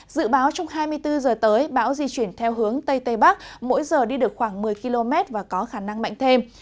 dự báo trong hai mươi bốn h tới bão di chuyển theo hướng tây tây bắc mỗi giờ đi được khoảng một mươi km và có khả năng mạnh thêm